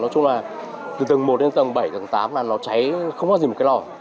nói chung là từ tầng một đến tầng bảy tầng tám là nó cháy không có gì một cái lò